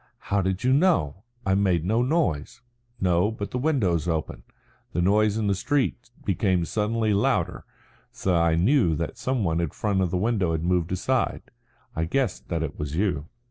"How did you know? I made no noise." "No, but the window's open. The noise in the street became suddenly louder, so I knew that some one in front of the window had moved aside. I guessed that it was you."